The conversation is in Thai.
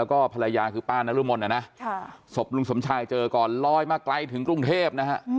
ลุงสมชายจมไปพร้อมกับเรือและภรรยาคือป้านรุมนสบลุงสมชายเจอก่อนลอยมาไกลถึงกรุงเทพฯ